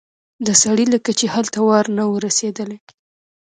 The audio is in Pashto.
د سړي لکه چې هلته وار نه و رسېدلی.